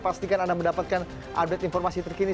pastikan anda mendapatkan update informasi terkini